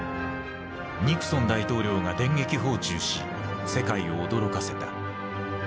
ニクソン大統領が電撃訪中し世界を驚かせた。